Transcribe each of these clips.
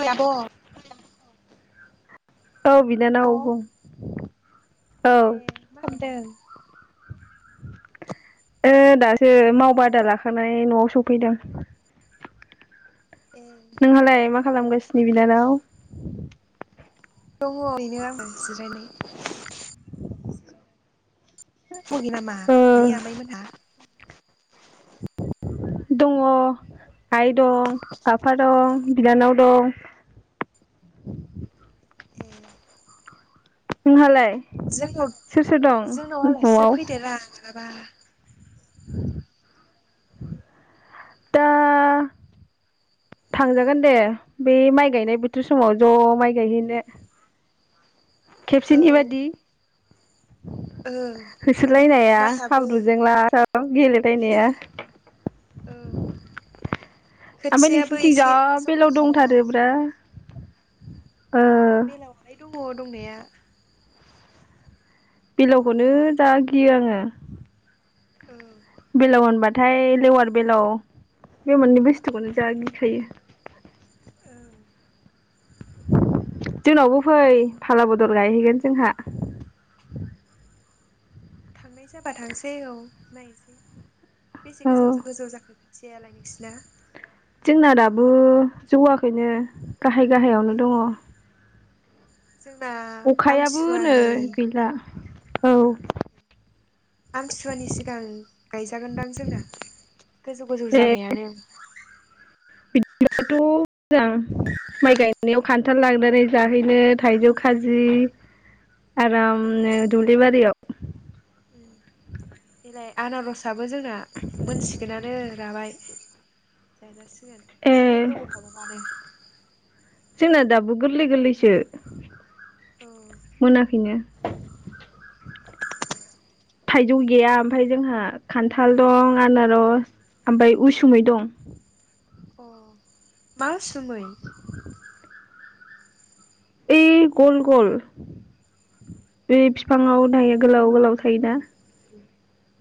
ओइ आब' औ बिनानाव बुं। औ ए ओ मा खामदों? ओ दासो मावबादा लाखानाय न'आव सफैदों। ए नोंहालाय मा खालामगासिनो बिनानाव? दङ ओरैनो आं जिरायनाय। [inaudible] फुगि नामा ओ नै आमैमोनहा। दंङ। आइ दं, आफा दं। बिनानाव दं। ए। नोंहालाय जोंनाव सोर सोर दं न'आव? बाबा दा थांजागोन दे बे माइ गायनाय बोथोर समाव ज' माइ गायहैनो। औ खेबसेनि बादि। [inaudible] ओं होसोलायनाया माइयाबो हाब्रुजों लासाव गेलेलायनाया [inaudible] औ ओमफ्राय खोथियाबो नोंसिनिथिं जा एसे बेलायाव जौहांखाबाय दंथारोब्रा। ओ बेलावहाय दङ दंनाया। बेलावखौनो जा गियो आङो। औ। बेलाव होनबाथाय लेवार बेलाव बे मोननै बुस्थुखौनो जा गिखायो। ओं [inaudible] जोंनावबो फै फाला बदल गायहैगोन जोंहा। थांनाय जाबा थांसै औ नायसै। बेसे औ गोजौ जो गोजौ जाखो? जियालाय नोंसिना? जोंना दाबो जौवाखैनो। गाहाय ए गाहायावनो दङ। जोंना अखायाबो नै आमथिसुवानि गैला। औ। आमथिसुवानि सिगां गायजागोनदां जोंना। गोजौ गोजौ जाबायानो। बिदिनोबाथ' मोजां माइ गायनायाव खान्थाल लांनानै जाहैनो थाइजौ खाजि औ आरामनो दुब्लिबारियाव। ने आनारसआबो जोंना मोनसिगोनानो राबाय जाजासि सिगोन ए एसे गोबाव थाबावबानो। जोंना दाबो गोलै गोलैसो। मोनाखैनो। [inaudible] थाइजौ गैया आमफाय जोंहा खान्थाल दं आनारस आमफाय उसुमै दं। अ मा उसुमै? ओइ गल गल बे फिफाङाव थायो गोलाव गोलाव थायोना।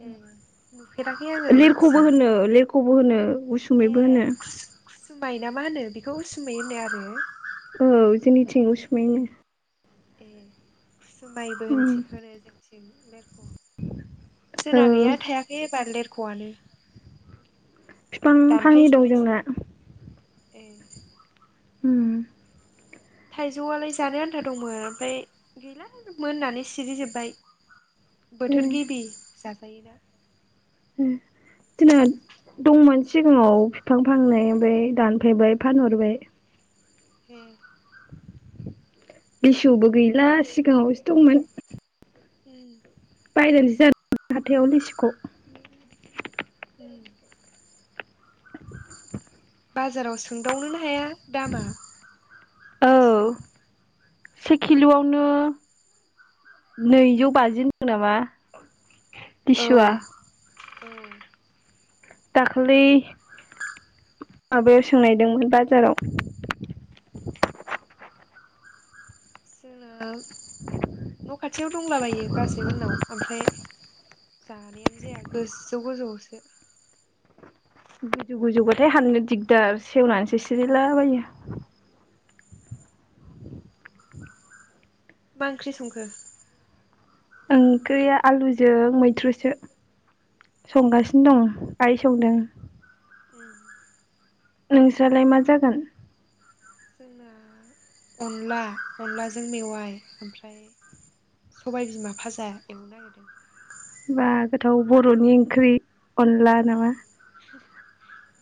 ए नु लिरखबो होननो लिर खबो होनो। उसुमैबो होनो। सुमाय ना मा होनो बेखौ उसुमै होनो आरो? औ जोंनिथिं उसुमै होनो। ए। खुसुमबायबो उम होनथि होनो जों थिं लेर ख' ओ जोना गैया थायाखै एबार लेर ख' आनो। फिफां फांनै दं जोंना। ए। उम। थाइजौआलाय जानो आन्था दंमोन आमफाय गैला आरो मोननानै सिरिजोब्बाय। ए बोथोर गेबि जाथ [inaudible] दिनना दंमोन सिगाङाव बिफां फांनाय ओमफ्राय दानफैबाय फानहरबाय हम बिसौबो गैला सिगाङावसो दंमोन उम [unintelligible] हाथायाइाव लिथिख' बाजाराव सोंदावनोनो हाया दामा औ [unintelligible] से किल'आवनो नैजौ बाजि दं नामा औ लिसुवा औ दाखालै माबायाव सोंनायदोंमोन बाजाराव जोङो न' खाथियाव दंलाबायो बाजै उनाव ओमफ्राय जानायानो जाया गोजौ गोजौआवसो गोजौ गोजौबाथाय हाननो दिगदार सेवनानैसो सिरिलाबायो मा ओंख्रि संखो ओंख्रिया आलुजों मैद्रुसो ए संगासिनो दं आइ संदों [inaudible] नोंस्रालाय मा जागोन जोंना अनला अनलाजों मेवाइ ओमफ्राय सबाय बिमा फाजा एवनो नागिरदों। बा गोथाव बर'नि ओंख्रि अनला नामा?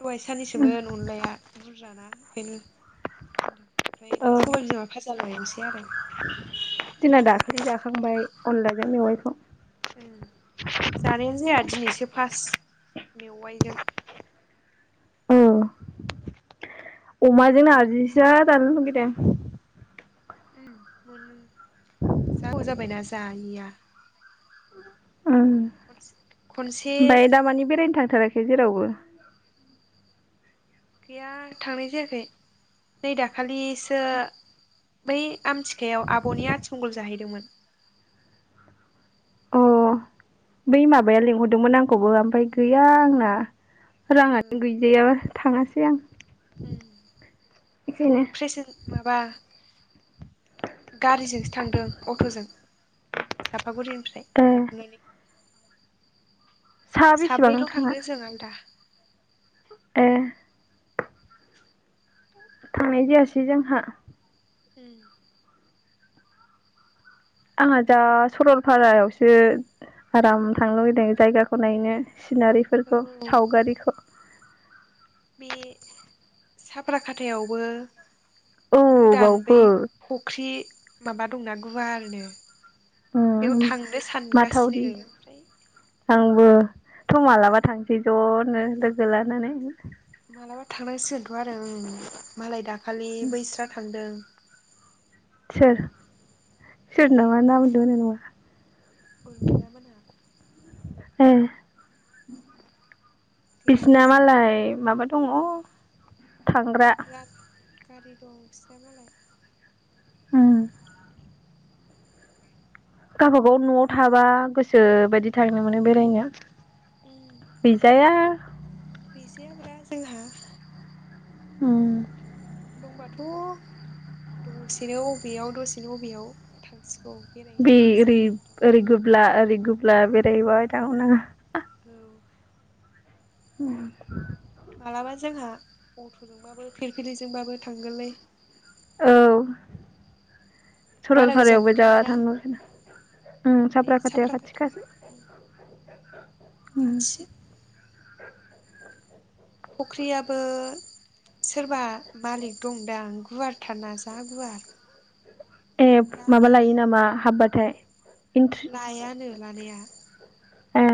दहाइ सानैसोमोन अनलाया बुरजा ना। बेनो ओमफ्राय दा औ सबाइ बिजोङा भाजाल' एवनोसै। आरो जोंना दाखालि जाखांबाय अनलाजों मेवाइखौ। जानायानो जाया दिनैसो फास मेवाइजों औ अमाजों नारजिसो जानो लुगैदों। जागौ जाबायना जायैया। खनसे ओमफाय दामानि बेरायनो थांथाराखै? जेरावबो गैया थांनाय जायाखै नै दाखालिसो बै आमथिखायाव आब'नि आथिमंगल जाहैदोंमोन। अ बै माबाया लिंहरदोंमोन आंखौबो ओमफाय गैया आंना राङानो गैजायाबा। थाङासै आं। उम बेखायनो जोंबो प्रेसेन माबा गारिजोंसो थांदों अट'जों साफागुरिनिफ्राय ए गाखोनानै। साहा बेसेबां साब्रैल' थांनो जों आलदा। एह। थांनाय जायासै जोंहा। उम। आंहा जा सरलपारायावसो आराम थांनो लुुबैदों जायगाखौ नायनो। सिनारिफोरखौ औ सावगारिखौ। बे साब्राखाथायावबो औ गोदान बै बावबो फख्रि माबा दंना गुवारनो बेयाव उम थांनो सानगासिनो माथावरि ओ ओमफ्राय। थौ मालाबा थांसै ज'नो लोगो लानानै मालाबा थांनांसिगोनथ' आरो ओ मालाय दाखा खालि बैस्रा थांदों सोर? सोर नामा ओइयो नाम दोनो नामा उर्मिला मोना। एह। गैया बिसिना जोंहा मालाय माबा दङ'। थांग्रा रा गारि दं बिसिना मालाय। उम। गावबागाव न'आव थाबा गोसो बायदि थांनो मोनो बेरायनो। उम गैजाया गैजाया ब्रा जोंहा। उम। दंबाथ' दसेनो अबेयाव दसेनो अबेयाव थांसै। बि ओरै ओरै गुुबला ओरै गुब ब्ला बेरायबाय थागौमोन आंङो। औ। उम। मालाबा जोंहा अट'जोंबाबो फिरफिलिजोंबाबो थांगोनलै। औ। बारा गोजान सरलपारायावबो जा नंखायाना थांनो लुगैदों उम बे साफ्राखाथाया खाथि साफ्लाकाटाया खासो उम। खाथिसो [unintelligible] फख्रियाबो सोरबा मालिक दंदां गुवारथारना जा गुवार। एह गामि माबा लायो नामा हाबबाथाय? इन्ट्रि लायानो लानाया ए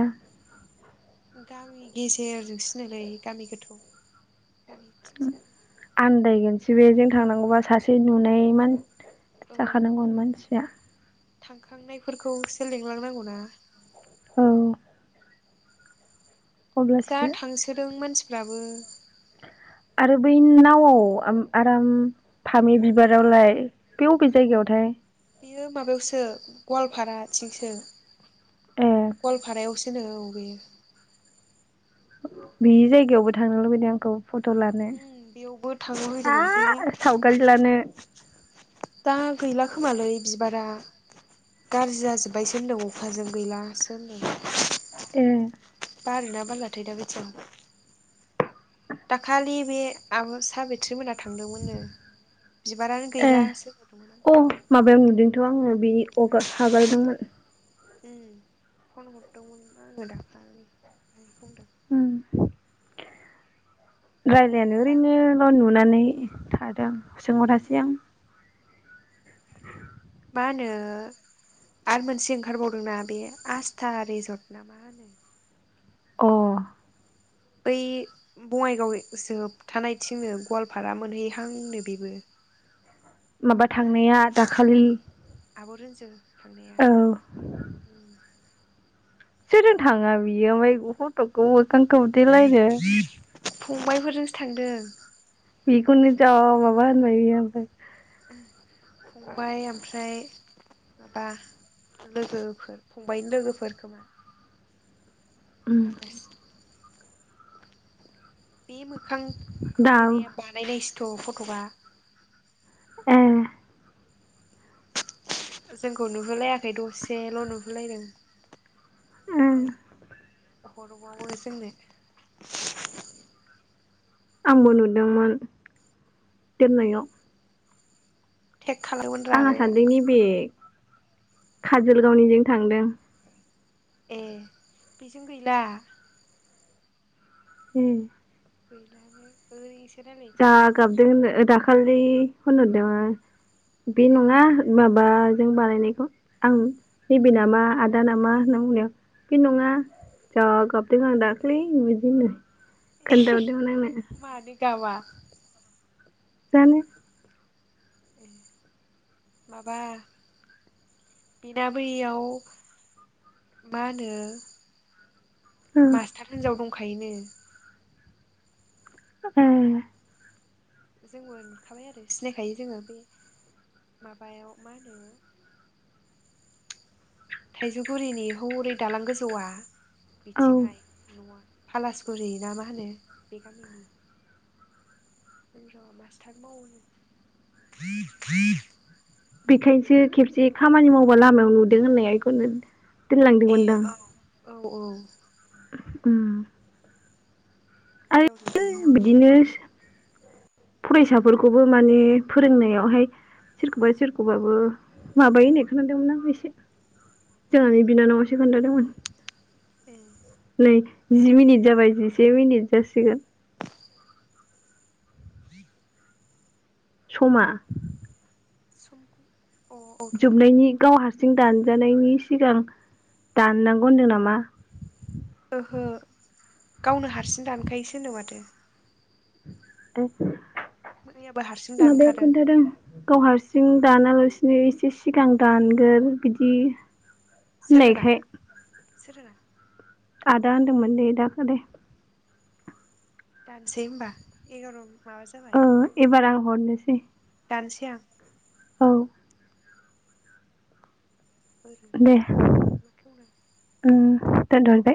गामि गेजेरजोंसो नोलै गामि गोथौ। [inaudible] आन्दायगोनसै बे जों थांनांगौबा सासे नुनाय मान औ जाखानांगौ मानसिया थांखांनायफोरखौसो लिंलांनांगौ ना? औ जा अब्लासो थांसोदों मानसिफो फ्राबो। आरो बै नावआव आराम फामि बिबारावलाय बे बबे जायगायावथाय? बेयो माबायावसो गवालपारा आथिंसो ए गवालफारायावसो बिदिनो औ गै बे जायगायावबो थांनो लुबैदों आंखौ। फट' लानो उम बेयावबो थांनो फैदोंमोन गैया ह सावगारि लानो दा गैला खोमालै बिबारा गाज्रि जाजोब्बायसो होनदों अखाजों गैलासो होनदों ए बारोना बारलाथाय दा बायदियाव? दाखालि बे आब' सा बिथ्रिमोना थांदोंमोननो बिबारानो ए गैलासो हरदोंमोन आंखौ [unintelligible] हाग्रोदोंमोन उम फन हरदोंमोन। [unintelligible] दाखालै। [unintelligible] उम। रायलायानो माबा ओरैनोल' नुनानै थादों। सोंहरासै आं। मा होनो आरो मोनसे ओंखारबावदोंना बे आसस्था रिजर्ट ना मा होनो। अ। बै बङाइगावसो थानायथिंनो गवालपारा मोनहैहांनो बेबो। माबा थांनाया दाखालि आब' रोनसो थांनाया औ उम। सोरजों थाङा बियो ओमफाय फटकखौ फंबायफोरजों थांदों। बिखौनोनि जा माबा होनबाय इयो आमफाय। फंबाय ओमफ्राय माबा लोगोफोर फंबायनि लोगोफोर खोमा। उम [unintelligible] बे मो खां दाउ खोबथेनाया बानायनायसो। थ' फट'गा ए जोंखौ नुहोलायाखै दसेल' नुहोलायदों। उम फाय हरबावो जोंनो। आंबो नुदोंमोन दोननायाव। थेक खालामदोंमोनरा आंहा बे सानदों आंखौ। नैबे काजोलगावनिजों थांदों। ए बेजों गैला। उम। गैलानो ओइस जा गाबदो होनदो ओ दाख खालि होनहद दोमोन। बे नङा हो मा बाजों बानायनायखौ आं नैबे नामा आदा नामा होनना बुंनायाव बे नङा जा गाबदों आं दाख्लै [unintelligible] खोन्था हददोमोन आंनो। मानो गाबा जानो। ए माबा बिनाबैयाव मा होनो। ओ मास्टार हिनजाव दंखायनो। ए। जोंबो नुखाबाय आरो सिनायखायो जोङो बे माबायाव मा होनो। थाइजौगुरिनि हरै दालां गोजौआ। औ बिथिंहाय न'आ। पालासगुरि ना मा होनो बे गामिनि र' मास्टार मावोनो। बेखायनोसो खेबसे खामानि मावबा लामायाव नुदों होननायया एखौ दोनलांदोंमोनदां। औ-औ। उम। आरो बिदिनो [unintelligible] फरायसाफोरखौबो माने फोरोंनायावहाय सोरखौबा सोरखौबाबो माबायोहोननाय खोनादोंमोन आं एसे। जोंहानि बिनानावसो खोन्थादोंमोन। ए। [unintelligible] जि मिनिट जाबाय जिसे मिनिट जासिगोन। [unintelligible] समा सुखौ जोबनायनि गाव हास। हारथिं दानजानायनि सिगां दाननांगौ होनदों। नामा ओहो गावनो हारसिं दानखायोसो नो माथो। मैयाबो हारसिं [unintelligible] माबायाव दानखादों खोन्थादों गाव हारसिं। दानालासिनो एसे सिगां दानगोन बिदि। सोर होना होनायखाय। सोर आदा द मोनाने इदाखदे। दानसै होमबा एगार'। माबा जाबाय। ओ एबार आं हरनोसै। दानसै आं। औ। दे [unintelligible] दोनथनोसै